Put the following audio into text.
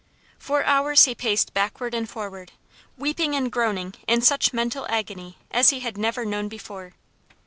For hours he paced backward and forward, weeping and groaning in such mental agony as he had never known before.